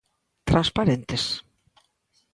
¿Transparentes?